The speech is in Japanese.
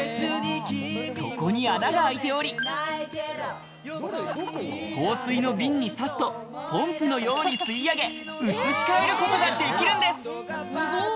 底に穴が開いており、香水の瓶に挿すとホースのように吸い上げ、移し替えることができるんです。